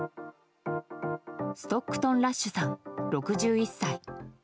ストックトン・ラッシュさん６１歳。